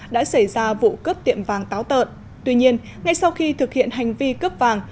đã xảy ra vụ cướp tiệm vàng táo tợn tuy nhiên ngay sau khi thực hiện hành vi cướp vàng